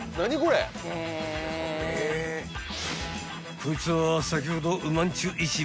［こいつは先ほど］